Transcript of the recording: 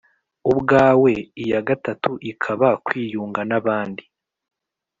ubwawe, iya gatatu ikaba kwiyunga n’abandi.